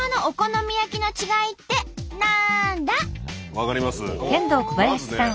分かります